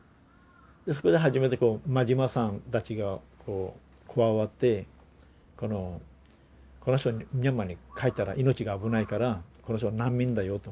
そこで初めて馬島さんたちが加わって「この人はミャンマーに帰ったら命が危ないからこの人は難民だよ」と。